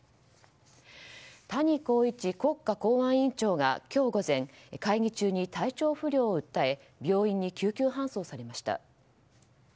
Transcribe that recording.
谷公一国家公安委員長が今日午前、会議中に体調不良を訴え病院に救急搬送されました。